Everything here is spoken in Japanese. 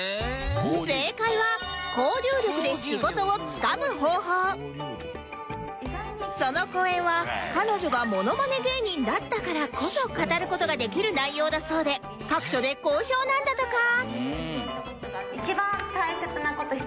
正解はその講演は彼女がモノマネ芸人だったからこそ語る事ができる内容だそうで各所で好評なんだとか